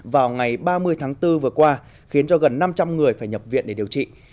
vào ngày ba mươi tháng bốn vừa qua khiến cho gần năm trăm linh người phải nhập viện để điều trị